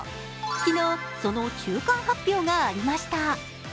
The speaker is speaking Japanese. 昨日、その中間発表がありました。